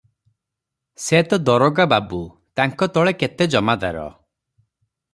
ସେ ତ ଦରୋଗା ବାବୁ, ତାଙ୍କ ତଳେ କେତେ ଜମାଦାର ।